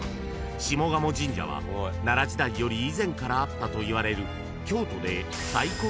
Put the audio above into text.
［奈良時代より以前からあったといわれる］